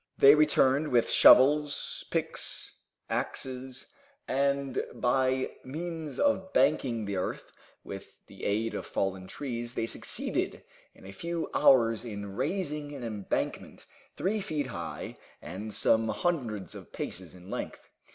They returned with shovels, picks, axes, and by means of banking the earth with the aid of fallen trees they succeeded in a few hours in raising an embankment three feet high and some hundreds of paces in length.